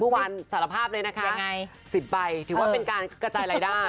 เมื่อวานสารภาพเลยนะคะ๑๐ใบถือว่าเป็นการกระจายรายได้